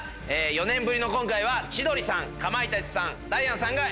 ４年ぶりの今回は千鳥さんかまいたちさんダイアンさんがＭＣ。